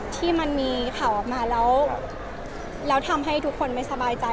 ที่มันมีข่าวออกมาแล้วทำให้ทุกคนไม่สบายใจ